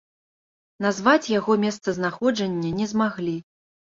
Назваць яго месцазнаходжанне не змаглі.